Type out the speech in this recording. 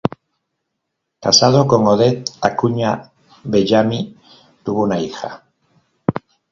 Casado con Odette Acuña Bellamy, tuvo una hija.